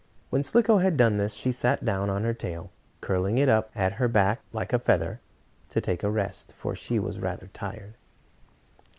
When Slicko had done this, she sat down on her tail, curling it up at her back like a feather, to take a rest, for she was rather tired.